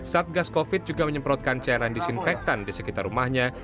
satgas covid juga menyemprotkan cairan disinfektan di sekitar rumahnya